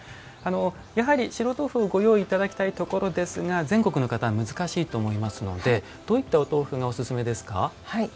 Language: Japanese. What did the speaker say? やはり白とうふをご用意頂きたいところですが全国の方は難しいと思いますのでどういったお豆腐がおすすめですか？